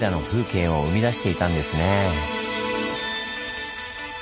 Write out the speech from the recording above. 景を生み出していたんですねぇ。